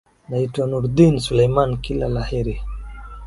naitwa nurdin selumani kila la heri